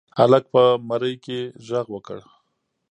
هلک په مرۍ کې غږ وکړ.